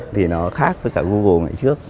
thì nó khác với cả google ngày trước